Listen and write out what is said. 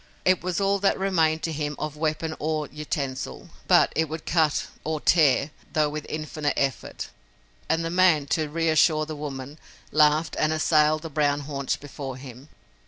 It was all that remained to him of weapon or utensil. But it would cut or tear, though with infinite effort, and the man, to reassure the woman, laughed, and assailed the brown haunch before him.